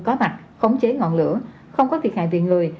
có mặt khống chế ngọn lửa không có thiệt hại viện lười